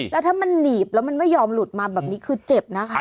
แล้วถ้ามันหนีบแล้วมันไม่ยอมหลุดมาแบบนี้คือเจ็บนะคะ